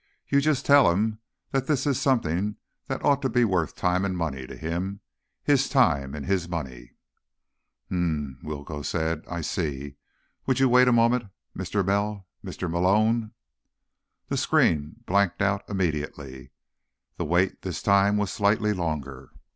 "You just tell him that this is something that ought to be worth time and money to him. His time, and his money." "Hmm," Willcoe said. "I see. Would you wait a moment, Mr. Mel—Mr. Malone?" The screen blanked out immediately. The wait this time was slightly longer.